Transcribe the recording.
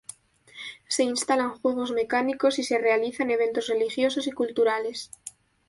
Se instalan juegos mecánicos y se realizan eventos religiosos y culturales.